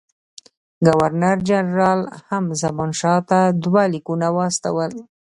ګورنر جنرال هم زمانشاه ته دوه لیکونه واستول.